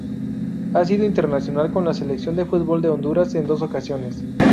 Ha sido internacional con la Selección de fútbol de Honduras en dos ocasiones.